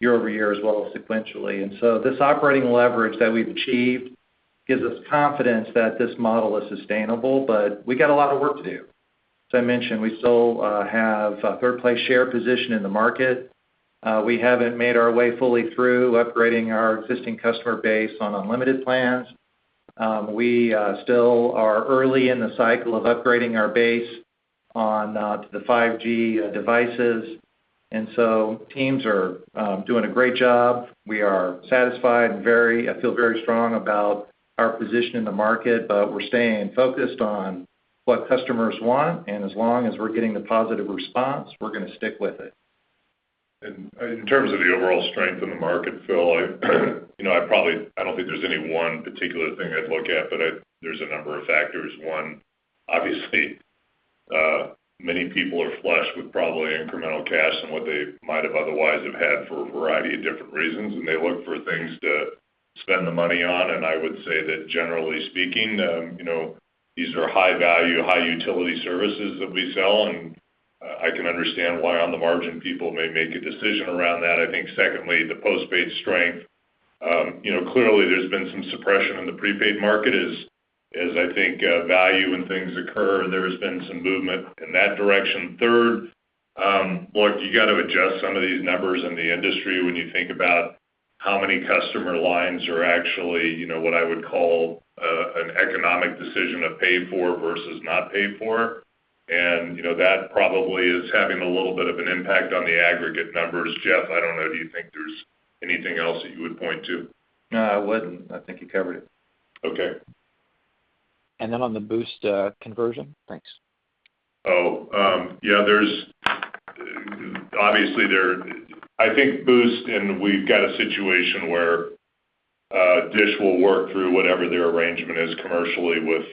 year-over-year as well as sequentially. This operating leverage that we've achieved gives us confidence that this model is sustainable, but we got a lot of work to do. As I mentioned, we still have a third-place share position in the market. We haven't made our way fully through upgrading our existing customer base on unlimited plans. We still are early in the cycle of upgrading our base on to the 5G devices, and so teams are doing a great job. We are satisfied and I feel very strong about our position in the market, but we're staying focused on what customers want, and as long as we're getting the positive response, we're going to stick with it. In terms of the overall strength in the market, Phil, I don't think there's any one particular thing I'd look at, but there's a number of factors. One, obviously many people are flushed with probably incremental cash than what they might have otherwise have had for a variety of different reasons, and they look for things to spend the money on, and I would say that generally speaking, these are high value, high utility services that we sell, and I can understand why on the margin people may make a decision around that. I think secondly, the postpaid strength. Clearly there's been some suppression in the prepaid market as I think value and things occur, there's been some movement in that direction. Third, look, you got to adjust some of these numbers in the industry when you think about how many customer lines are actually what I would call an economic decision of paid for versus not paid for. That probably is having a little bit of an impact on the aggregate numbers. Jeff, I don't know, do you think there's anything else that you would point to? No, I wouldn't. I think you covered it. Okay. On the Boost conversion? Thanks. Oh, yeah. Obviously, I think Boost, and we've got a situation where DISH will work through whatever their arrangement is commercially with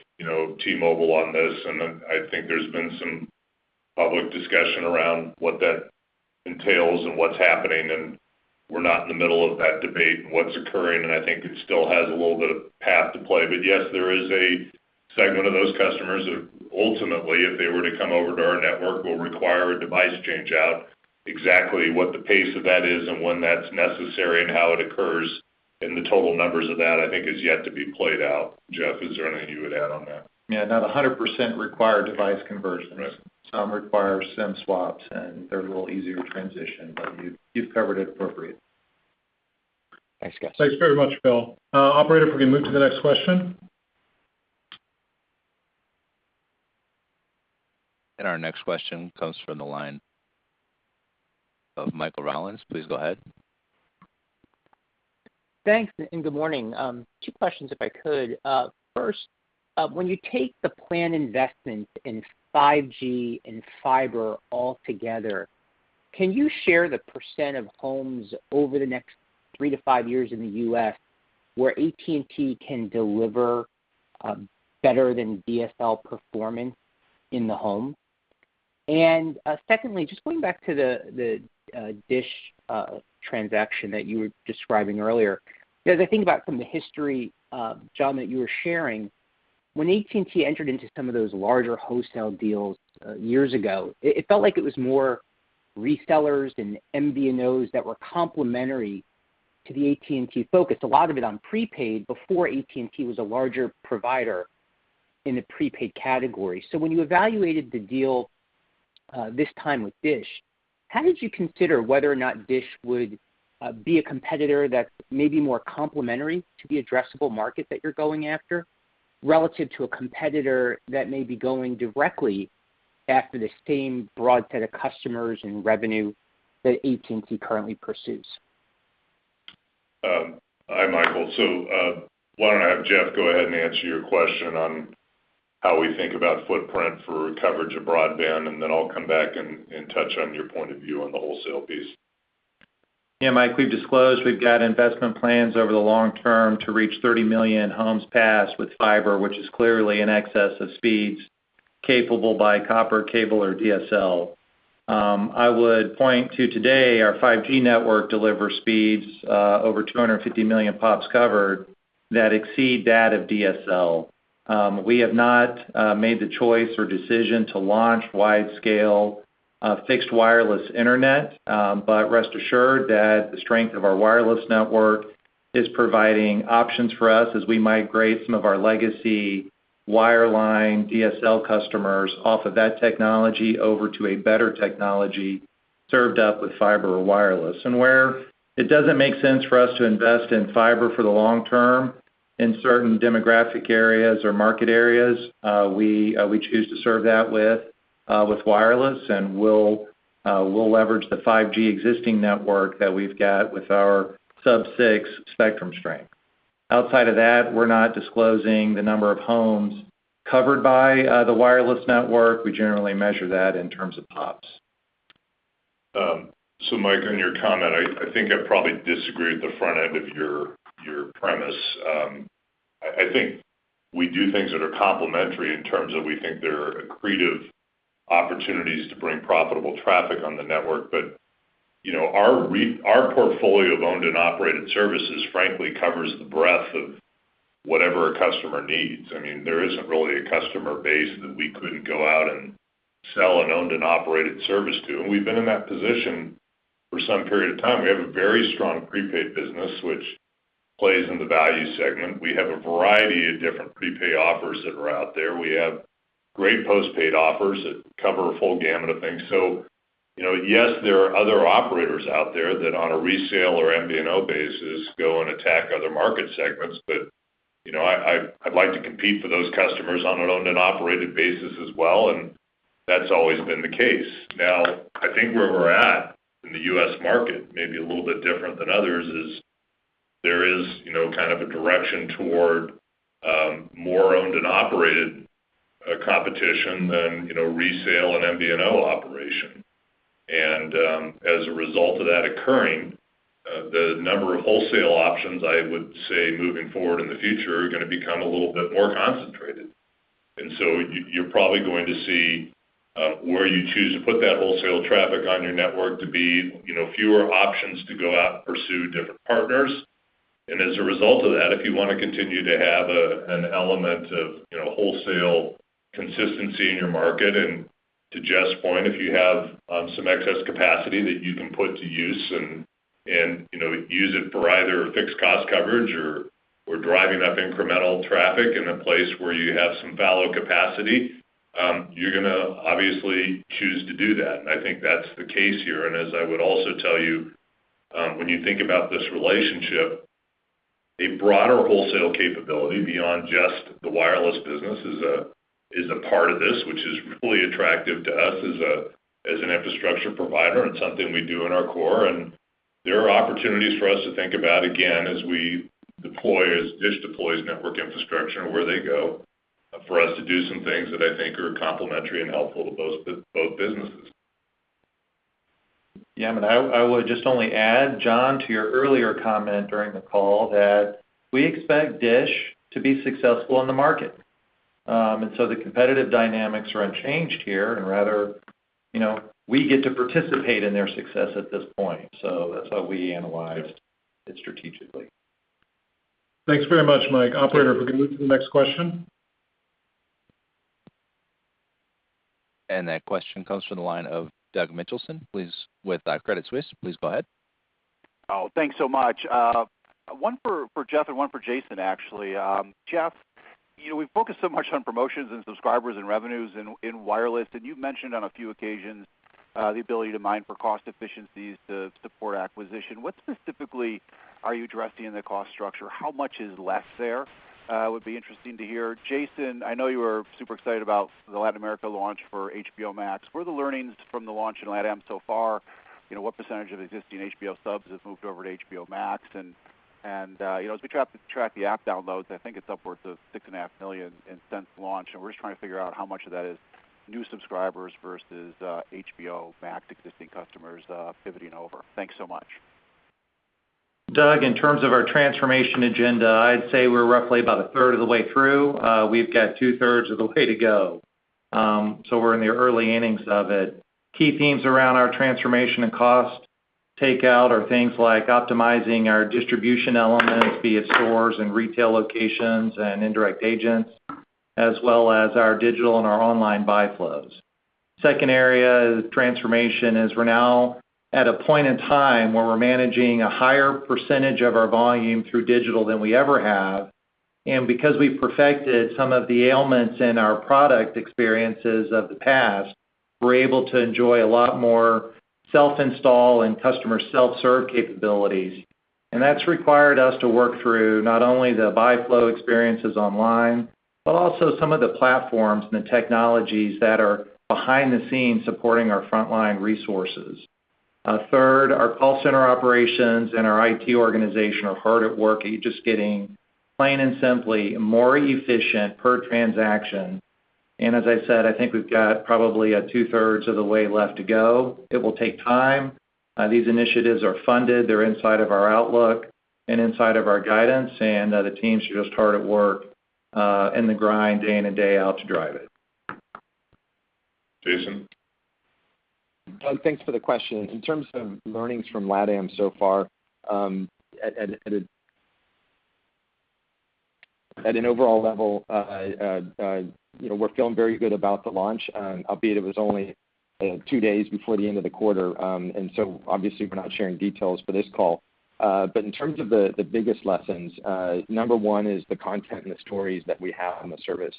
T-Mobile on this, and then I think there's been some public discussion around what that entails and what's happening, and we're not in the middle of that debate and what's occurring, and I think it still has a little bit of path to play. Yes, there is a segment of those customers that ultimately, if they were to come over to our network, will require a device change out. Exactly what the pace of that is and when that's necessary and how it occurs, and the total numbers of that, I think, is yet to be played out. Jeff, is there anything you would add on that? Yeah, not 100% require device conversions. Right. Some require SIM swaps, and they're a little easier to transition, but you've covered it appropriate. Thanks, guys. Thanks very much, Phil. Operator, if we can move to the next question. Our next question comes from the line of Michael Rollins. Please go ahead. Thanks, and good morning. Two questions if I could. First, when you take the plan investment in 5G and fiber altogether, can you share the percent of homes over the next three to five years in the U.S. where AT&T can deliver better than DSL performance in the home? Secondly, just going back to the DISH transaction that you were describing earlier. As I think about from the history, John, that you were sharing, when AT&T entered into some of those larger wholesale deals years ago, it felt like it was more resellers and MVNOs that were complementary to the AT&T focus, a lot of it on prepaid before AT&T was a larger provider in the prepaid category. When you evaluated the deal this time with DISH, how did you consider whether or not DISH would be a competitor that's maybe more complementary to the addressable market that you're going after, relative to a competitor that may be going directly after the same broad set of customers and revenue that AT&T currently pursues? Hi, Michael. Why don't I have Jeff go ahead and answer your question on how we think about footprint for coverage of broadband, and then I'll come back and touch on your point of view on the wholesale piece. Mike, we've disclosed we've got investment plans over the long term to reach 30 million homes passed with fiber, which is clearly in excess of speeds capable by copper, cable, or DSL. I would point to today, our 5G network delivers speeds over 250 million POPs covered that exceed that of DSL. We have not made the choice or decision to launch widescale fixed wireless internet. Rest assured that the strength of our wireless network is providing options for us as we migrate some of our legacy wireline DSL customers off of that technology over to a better technology served up with fiber or wireless. Where it doesn't make sense for us to invest in fiber for the long term in certain demographic areas or market areas, we choose to serve that with wireless, and we'll leverage the 5G existing network that we've got with our sub-6 spectrum strength. Outside of that, we're not disclosing the number of homes covered by the wireless network. We generally measure that in terms of POPs. Mike, in your comment, I think I probably disagree at the front end of your premise. I think we do things that are complementary in terms of we think there are accretive opportunities to bring profitable traffic on the network, Our portfolio of owned and operated services frankly covers the breadth of whatever a customer needs. There isn't really a customer base that we couldn't go out and sell an owned and operated service to, and we've been in that position for some period of time. We have a very strong prepaid business, which plays in the value segment. We have a variety of different prepaid offers that are out there. We have great postpaid offers that cover a full gamut of things. Yes, there are other operators out there that on a resale or MVNO basis go and attack other market segments, but I'd like to compete for those customers on an owned and operated basis as well, and that's always been the case. I think where we're at in the U.S. market, maybe a little bit different than others, is there is kind of a direction toward more owned and operated competition than resale and MVNO operation. As a result of that occurring, the number of wholesale options, I would say moving forward in the future, are going to become a little bit more concentrated. You're probably going to see where you choose to put that wholesale traffic on your network to be fewer options to go out and pursue different partners. As a result of that, if you want to continue to have an element of wholesale consistency in your market, and to Jeff's point, if you have some excess capacity that you can put to use and use it for either fixed cost coverage or driving up incremental traffic in a place where you have some valid capacity, you're going to obviously choose to do that, and I think that's the case here. As I would also tell you, when you think about this relationship, a broader wholesale capability beyond just the wireless business is a part of this, which is really attractive to us as an infrastructure provider and something we do in our core. There are opportunities for us to think about, again, as DISH deploys network infrastructure and where they go, for us to do some things that I think are complementary and helpful to both businesses. Yeah, I would just only add, John, to your earlier comment during the call, that we expect DISH to be successful in the market. The competitive dynamics are unchanged here, and rather, we get to participate in their success at this point. That's how we analyzed it strategically. Thanks very much, Mike. Operator, if we can move to the next question. That question comes from the line of Doug Mitchelson with Credit Suisse. Please go ahead. Thanks so much. One for Jeff and one for Jason, actually. Jeff, we focus so much on promotions and subscribers and revenues in wireless, and you've mentioned on a few occasions the ability to mine for cost efficiencies to support acquisition. What specifically are you addressing in the cost structure? How much is less there? Would be interesting to hear. Jason, I know you are super excited about the Latin America launch for HBO Max. What are the learnings from the launch in LATAM so far? What percent of existing HBO subs has moved over to HBO Max? As we track the app downloads, I think it's upwards of 6.5 million since launch, and we're just trying to figure out how much of that is new subscribers versus HBO Max existing customers pivoting over. Thanks so much. Doug, in terms of our transformation agenda, I'd say we're roughly about a third of the way through. We've got two thirds of the way to go. We're in the early innings of it. Key themes around our transformation and cost take out are things like optimizing our distribution elements, be it stores and retail locations and indirect agents, as well as our digital and our online buy flows. Second area of transformation is we're now at a point in time where we're managing a higher percentage of our volume through digital than we ever have. Because we've perfected some of the ailments in our product experiences of the past, we're able to enjoy a lot more self-install and customer self-serve capabilities. That's required us to work through not only the buy flow experiences online, but also some of the platforms and the technologies that are behind the scenes supporting our frontline resources. Third, our call center operations and our IT organization are hard at work at just getting, plain and simply, more efficient per transaction. As I said, I think we've got probably two thirds of the way left to go. It will take time. These initiatives are funded. They're inside of our outlook and inside of our guidance, and the teams are just hard at work in the grind, day in and day out, to drive it. Jason? Doug, thanks for the question. In terms of learnings from LATAM so far, at a. At an overall level, we're feeling very good about the launch. Albeit it was only two days before the end of the quarter. Obviously, we're not sharing details for this call. In terms of the biggest lessons, number one is the content and the stories that we have on the service.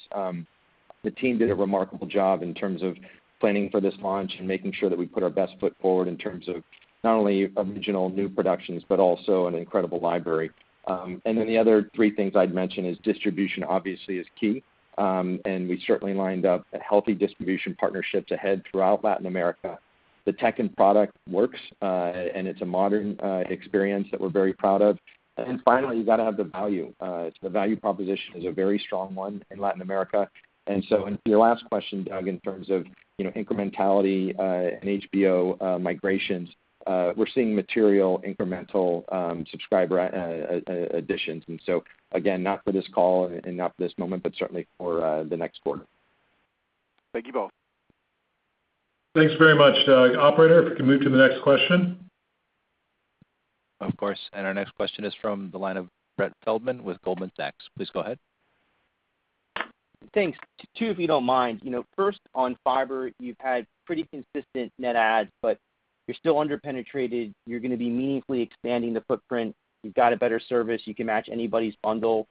The team did a remarkable job in terms of planning for this launch and making sure that we put our best foot forward in terms of not only original new productions, but also an incredible library. The other three things I'd mention is distribution obviously is key. We certainly lined up healthy distribution partnerships ahead throughout Latin America. The tech end product works, and it's a modern experience that we're very proud of. Finally, you got to have the value. The value proposition is a very strong one in Latin America. To your last question, Doug, in terms of incrementality, and HBO migrations, we're seeing material incremental subscriber additions. Again, not for this call and not for this moment, but certainly for the next quarter. Thank you both. Thanks very much, Doug. Operator, if we can move to the next question. Of course. Our next question is from the line of Brett Feldman with Goldman Sachs. Please go ahead. Thanks. Two, if you don't mind. First, on fiber, you've had pretty consistent net adds, but you're still under-penetrated. You're going to be meaningfully expanding the footprint. You've got a better service. You can match anybody's bundle.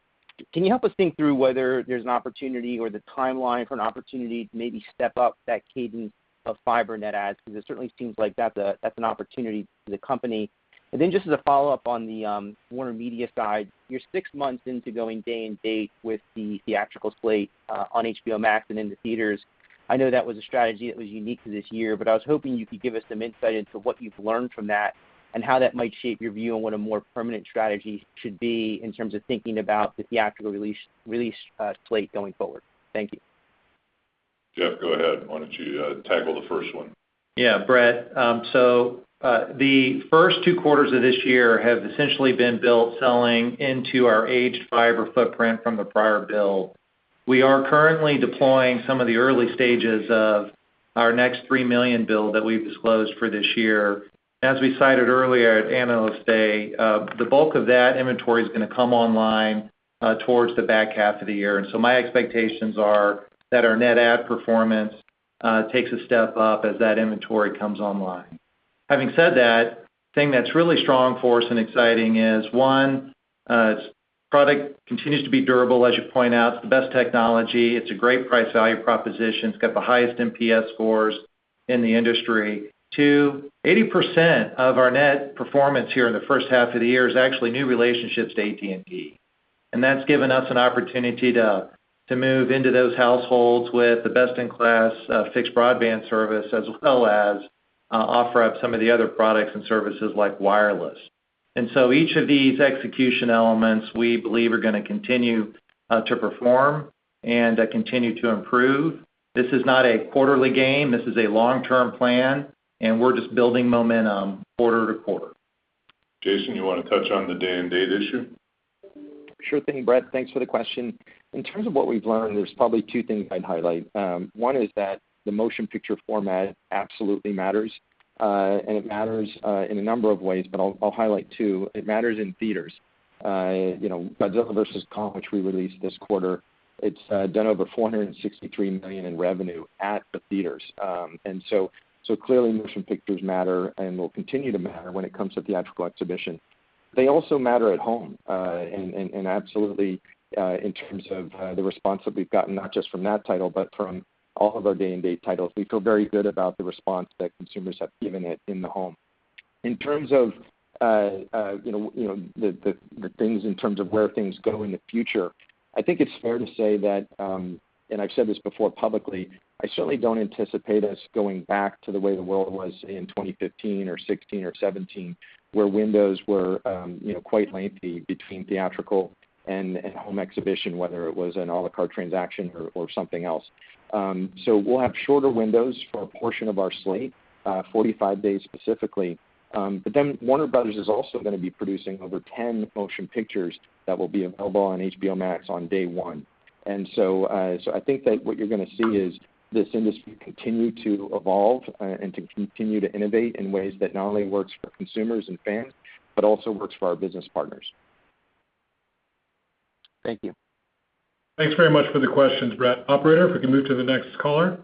Can you help us think through whether there's an opportunity or the timeline for an opportunity to maybe step up that cadence of fiber net adds? Because it certainly seems like that's an opportunity for the company. Just as a follow-up on the WarnerMedia side, you're six months into going day-and-date with the theatrical slate on HBO Max and in the theaters. I know that was a strategy that was unique to this year, but I was hoping you could give us some insight into what you've learned from that, and how that might shape your view on what a more permanent strategy should be in terms of thinking about the theatrical release slate going forward. Thank you. Jeff, go ahead. Why don't you tackle the first one? Yeah, Brett. The first two quarters of this year have essentially been built selling into our aged fiber footprint from the prior build. We are currently deploying some of the early stages of our next 3 million build that we've disclosed for this year. As we cited earlier at Analyst Day, the bulk of that inventory is going to come online towards the back half of the year. My expectations are that our net add performance takes a step up as that inventory comes online. Having said that, the thing that's really strong for us and exciting is one, product continues to be durable, as you point out. It's the best technology. It's a great price-value proposition. It's got the highest NPS scores in the industry. Two, 80% of our net performance here in the first half of the year is actually new relationships to AT&T. That's given us an opportunity to move into those households with the best-in-class fixed broadband service, as well as offer up some of the other products and services like wireless. Each of these execution elements we believe are going to continue to perform and continue to improve. This is not a quarterly game. This is a long-term plan, and we're just building momentum quarter to quarter. Jason, you want to touch on the day-and-date issue? Sure thing, Brett. Thanks for the question. In terms of what we've learned, there's probably two things I'd highlight. One is that the motion picture format absolutely matters. It matters in a number of ways, but I'll highlight two. It matters in theaters. Godzilla vs. Kong, which we released this quarter, it's done over $463 million in revenue at the theaters. Clearly motion pictures matter and will continue to matter when it comes to theatrical exhibition. They also matter at home, and absolutely, in terms of the response that we've gotten not just from that title, but from all of our day-and-date titles. We feel very good about the response that consumers have given it in the home. In terms of where things go in the future, I think it's fair to say that, and I've said this before publicly, I certainly don't anticipate us going back to the way the world was in 2015 or 2016 or 2017, where windows were quite lengthy between theatrical and home exhibition, whether it was an à la carte transaction or something else. We'll have shorter windows for a portion of our slate, 45 days specifically. Warner Bros. is also going to be producing over 10 motion pictures that will be available on HBO Max on day one. I think that what you're going to see is this industry continue to evolve and to continue to innovate in ways that not only works for consumers and fans, but also works for our business partners. Thank you. Thanks very much for the questions, Brett. Operator, if we can move to the next caller.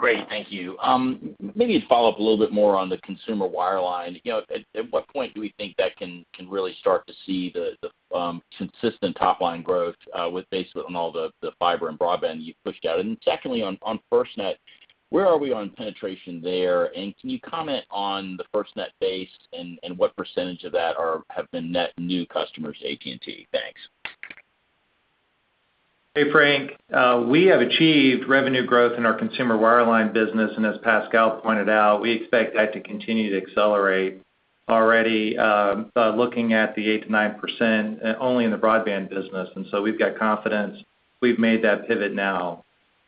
Great. Thank you. Maybe to follow up a little bit more on the consumer wireline. At what point do we think that can really start to see the consistent top-line growth with basically on all the fiber and broadband you've pushed out? Secondly, on FirstNet, where are we on penetration there? Can you comment on the FirstNet base and what percent of that have been net new customers to AT&T? Thanks. Hey, Frank. We have achieved revenue growth in our consumer wireline business, and as Pascal pointed out, we expect that to continue to accelerate. Already looking at the 8%-9% only in the broadband business, we've got confidence we've made that pivot now.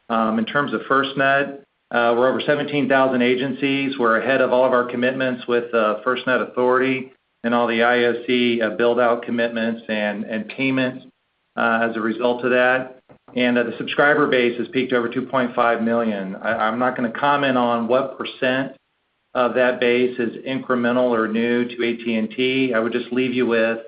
In terms of FirstNet, we're over 17,000 agencies. We're ahead of all of our commitments with FirstNet Authority and all the IOC build-out commitments and payments. As a result of that, the subscriber base has peaked over 2.5 million. I'm not going to comment on what % of that base is incremental or new to AT&T. I would just leave you with,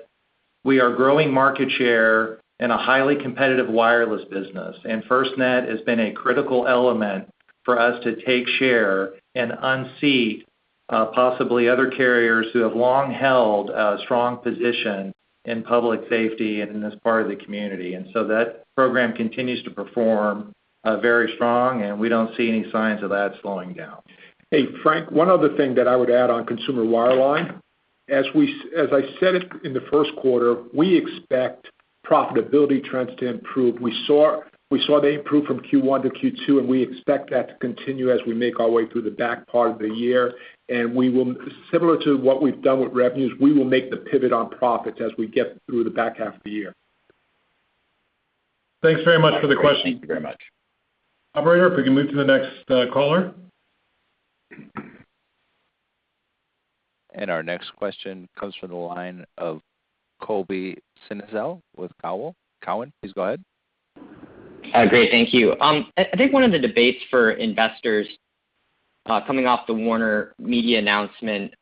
we are growing market share in a highly competitive wireless business. FirstNet has been a critical element for us to take share and unseat possibly other carriers who have long held a strong position in public safety and in this part of the community. That program continues to perform very strong, and we don't see any signs of that slowing down. Hey, Frank, one other thing that I would add on consumer wireline. As I said it in the first quarter, we expect profitability trends to improve. We saw they improved from Q1 to Q2, and we expect that to continue as we make our way through the back part of the year. Similar to what we've done with revenues, we will make the pivot on profits as we get through the back half of the year. Thanks very much for the question. Thank you very much. Operator, if we can move to the next caller. Our next question comes from the line of Colby Synesael with Cowen. Please go ahead. Great. Thank you. I think one of the debates for investors coming off the WarnerMedia announcement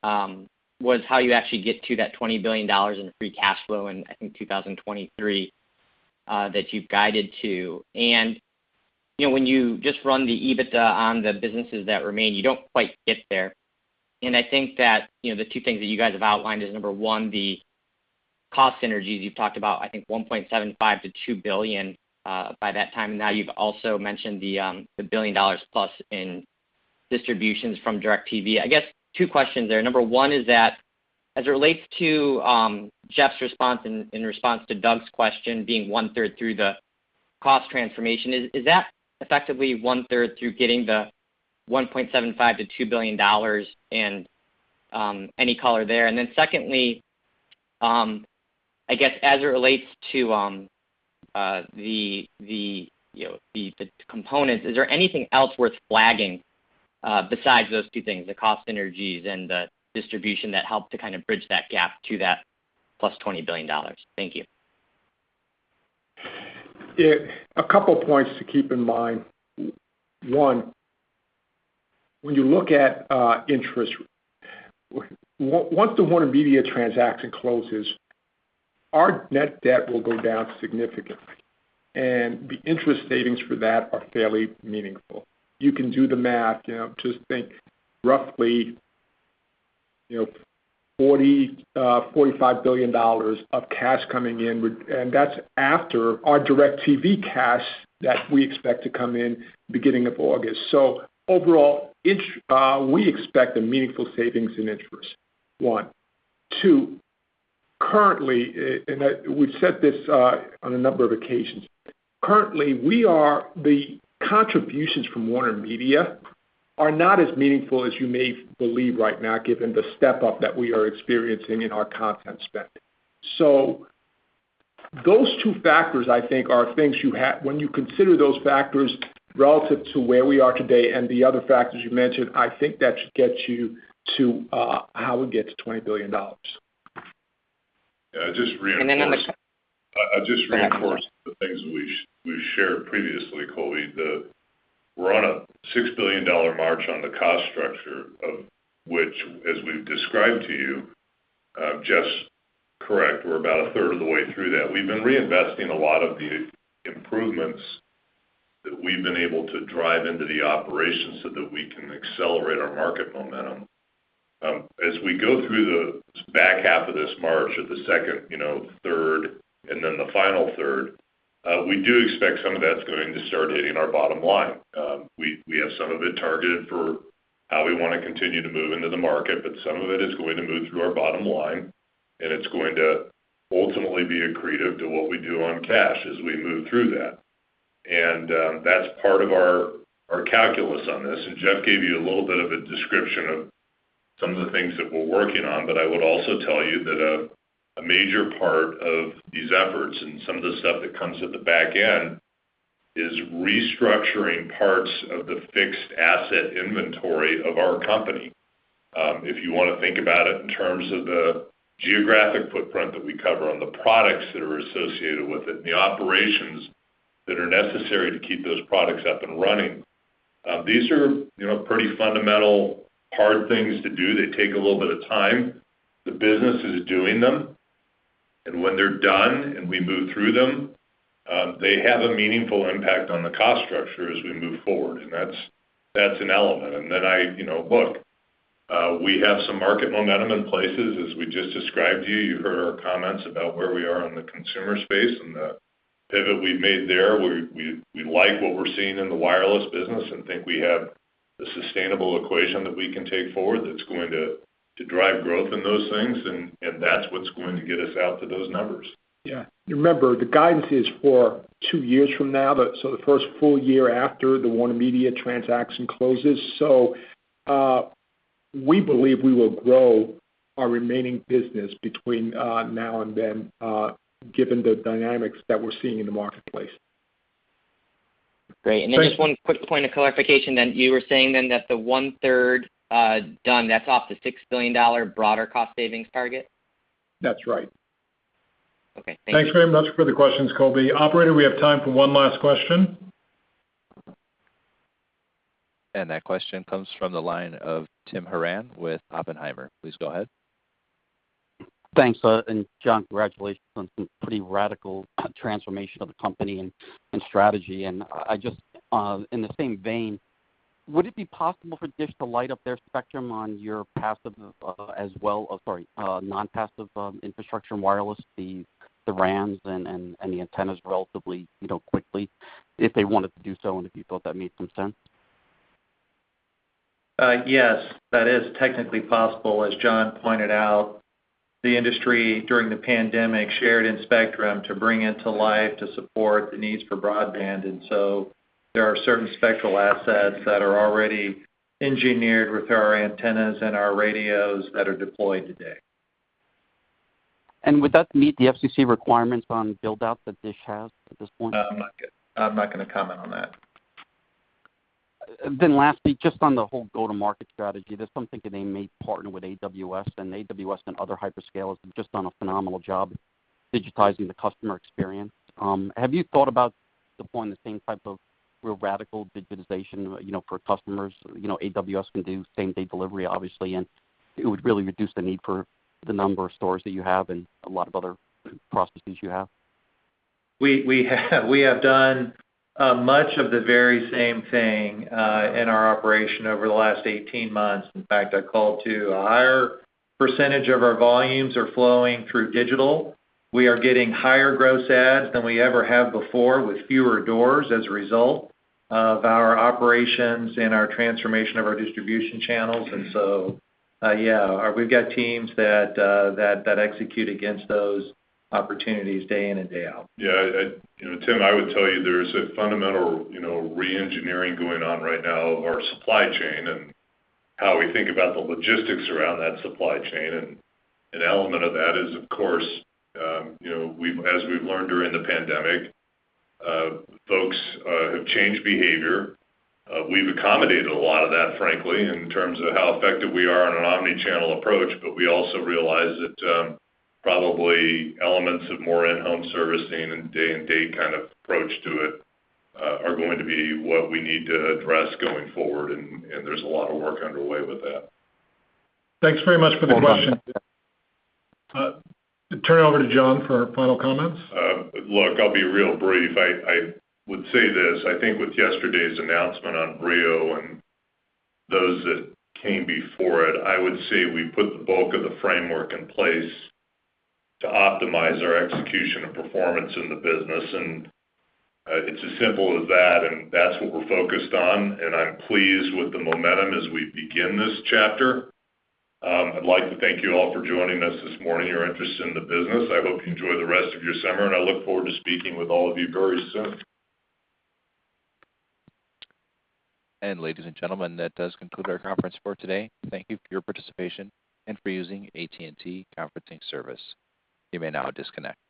was how you actually get to that $20 billion in free cash flow in, I think, 2023 that you've guided to. When you just run the EBITDA on the businesses that remain, you don't quite get there. I think that the two things that you guys have outlined is, number one, the cost synergies you've talked about, I think $1.75 billion-$2 billion by that time. Now you've also mentioned the $1 billion plus in distributions from DIRECTV. I guess two questions there. Number one is that as it relates to Jeff's response in response to Doug's question, being one-third through the cost transformation, is that effectively one-third through getting the $1.75 billion-$2 billion and any color there? Secondly, I guess as it relates to the components, is there anything else worth flagging besides those two things, the cost synergies and the distribution that help to kind of bridge that gap to that plus $20 billion? Thank you. A couple of points to keep in mind. One, when you look at interest, once the WarnerMedia transaction closes, our net debt will go down significantly, and the interest savings for that are fairly meaningful. You can do the math, just think roughly $45 billion of cash coming in, and that's after our DIRECTV cash that we expect to come in beginning of August. Overall, we expect a meaningful savings in interest, one. Two, currently, and we've said this on a number of occasions. Currently, the contributions from WarnerMedia are not as meaningful as you may believe right now, given the step-up that we are experiencing in our content spending. Those two factors, I think, when you consider those factors relative to where we are today and the other factors you mentioned, I think that should get you to how we get to $20 billion. Yeah, I'd just reinforce- Then on the- I'd just reinforce the things that we've shared previously, Colby. We're on a $6 billion march on the cost structure, of which, as we've described to you, Jeff's correct, we're about a third of the way through that. We've been reinvesting a lot of the improvements that we've been able to drive into the operations so that we can accelerate our market momentum. We go through the back half of this march or the second, third, and then the final third, we do expect some of that's going to start hitting our bottom line. We have some of it targeted for how we want to continue to move into the market, but some of it is going to move through our bottom line, and it's going to ultimately be accretive to what we do on cash as we move through that. That's part of our calculus on this. Jeff gave you a little bit of a description of some of the things that we're working on. I would also tell you that a major part of these efforts and some of the stuff that comes at the back end is restructuring parts of the fixed asset inventory of our company. If you want to think about it in terms of the geographic footprint that we cover on the products that are associated with it and the operations that are necessary to keep those products up and running. These are pretty fundamental, hard things to do. They take a little bit of time. The business is doing them, and when they're done and we move through them, they have a meaningful impact on the cost structure as we move forward. That's an element. Look, we have some market momentum in places, as we just described to you. You heard our comments about where we are in the consumer space and the pivot we've made there. We like what we're seeing in the wireless business and think we have a sustainable equation that we can take forward that's going to drive growth in those things, and that's what's going to get us out to those numbers. Yeah. Remember, the guidance is for two years from now, so the first full year after the WarnerMedia transaction closes. We believe we will grow our remaining business between now and then, given the dynamics that we're seeing in the marketplace. Great. Just one quick point of clarification. You were saying that the one-third done, that's off the $6 billion broader cost savings target? That's right. Okay. Thank you. Thanks very much for the questions, Colby. Operator, we have time for one last question. That question comes from the line of Tim Horan with Oppenheimer. Please go ahead. Thanks. John, congratulations on some pretty radical transformation of the company and strategy. I just, in the same vein, would it be possible for DISH to light up their spectrum on your non-passive infrastructure and wireless, the radios and the antennas relatively quickly if they wanted to do so, and if you thought that made some sense? Yes, that is technically possible. As John pointed out, the industry during the pandemic shared in spectrum to bring it to life to support the needs for broadband. There are certain spectral assets that are already engineered with our antennas and our radios that are deployed today. Would that meet the FCC requirements on build out that DISH has at this point? No, I'm not going to comment on that. Lastly, just on the whole go-to-market strategy, there's some thinking they may partner with AWS, and AWS and other hyperscalers have just done a phenomenal job digitizing the customer experience. Have you thought about deploying the same type of real radical digitization for customers? AWS can do same-day delivery, obviously, and it would really reduce the need for the number of stores that you have and a lot of other processes you have. We have done much of the very same thing in our operation over the last 18 months. In fact, I called to a higher percentage of our volumes are flowing through digital. We are getting higher gross adds than we ever have before with fewer doors as a result of our operations and our transformation of our distribution channels. Yeah, we've got teams that execute against those opportunities day in and day out. Yeah. Tim, I would tell you there's a fundamental re-engineering going on right now of our supply chain and how we think about the logistics around that supply chain. An element of that is, of course, as we've learned during the pandemic, folks have changed behavior. We've accommodated a lot of that, frankly, in terms of how effective we are on an omni-channel approach. We also realize that probably elements of more in-home servicing and day and date kind of approach to it are going to be what we need to address going forward, and there's a lot of work underway with that. Thanks very much for the question. Turn it over to John for final comments. Look, I'll be real brief. I would say this, I think with yesterday's announcement on Vrio and those that came before it, I would say we put the bulk of the framework in place to optimize our execution and performance in the business. It's as simple as that. That's what we're focused on. I'm pleased with the momentum as we begin this chapter. I'd like to thank you all for joining us this morning, your interest in the business. I hope you enjoy the rest of your summer. I look forward to speaking with all of you very soon. Ladies and gentlemen, that does conclude our conference for today. Thank you for your participation and for using AT&T Conferencing Service. You may now disconnect.